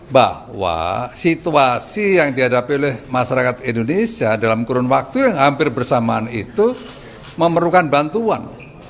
bahwa situasi yang dihadapi oleh masyarakat indonesia dalam kurun waktu yang hampir bersamaan itu memerlukan bantuan